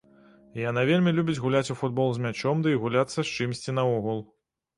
Яна вельмі любіць гуляць у футбол з мячом, ды і гуляцца з чымсьці наогул.